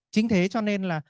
chính thế cho nên là